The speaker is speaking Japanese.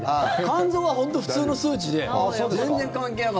肝臓は本当に普通の数値で。